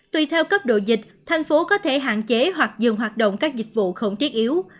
tùy theo cấp độ dịch thành phố có thể hạn chế hoặc dừng hoạt động các dịch vụ không thiết yếu